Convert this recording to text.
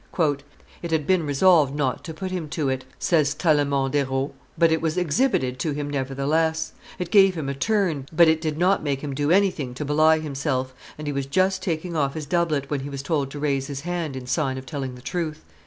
"It had been resolved not to put him to it," says Tallemant des Reaux: "but it was exhibited to him nevertheless; it gave him a turn, but it did not make him do anything to belie himself, and he was just taking off his doublet, when he was told to raise his hand in sign of telling the truth."